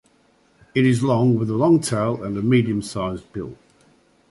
It is long, with a long tail and a medium-sized bill.